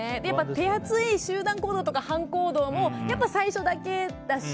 手厚い集団行動とか班行動も最初からだし